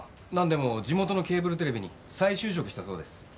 なんでも地元のケーブルテレビに再就職したそうです。